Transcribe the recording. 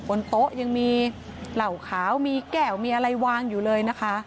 บนโต๊ะยังมีเหล่าขาวมีแก้วมีอะไรวางอยู่เลยนะคะ